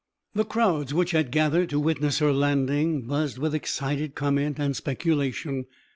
The crowds which had gathered to witness her landing buzzed with excited comment and speculation.